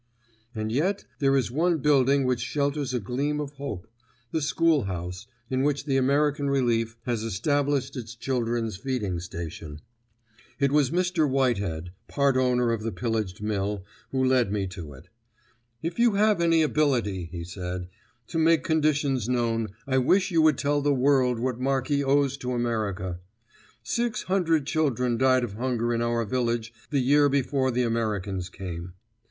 And yet there is one building which shelters a gleam of hope—the school house in which the American Relief has established its children's feeding station. It was Mr. Whitehead, part owner of the pillaged mill, who led me to it. "If you have any ability," he said, "to make conditions known, I wish you would tell the world what Marki owes to America. Six hundred children died of hunger in our village the year before the Americans came.